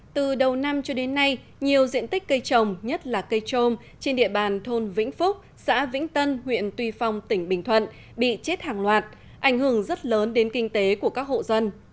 từ đầu năm cho đến nay nhiều diện tích cây trồng nhất là cây trôm trên địa bàn thôn vĩnh phúc xã vĩnh tân huyện tuy phong tỉnh bình thuận bị chết hàng loạt ảnh hưởng rất lớn đến kinh tế của các hộ dân